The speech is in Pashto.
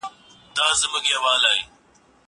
زه بايد پاکوالی وکړم!